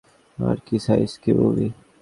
আরে, কী সাইজ, কী মুভি!